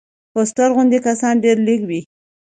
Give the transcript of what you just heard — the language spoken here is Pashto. فوسټر غوندې کسان ډېر لږ وو.